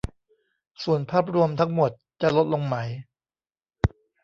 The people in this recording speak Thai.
ส่วนภาพรวมทั้งหมดจะลดลงไหม